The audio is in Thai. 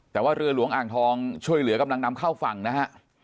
แต่ว่าเรือหลวงอ่างทองช่วยเหลือกำลังนำเข้าฝั่งนะฮะ